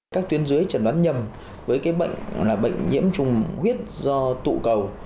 các tuyến dưới trần đoán nhầm với bệnh nhiễm trùng huyết do tụ cầu